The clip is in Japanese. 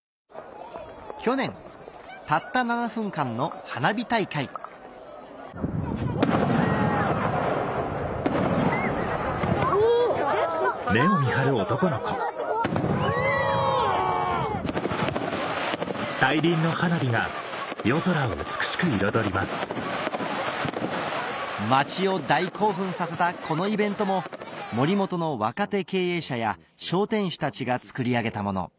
去年たった町を大興奮させたこのイベントも森本の若手経営者や商店主たちが作り上げたもの